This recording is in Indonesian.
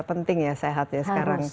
penting ya sehat sekarang